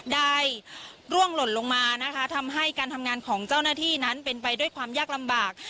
ร่วงหล่นลงมานะคะทำให้การทำงานของเจ้าหน้าที่นั้นเป็นไปด้วยความยากลำบาก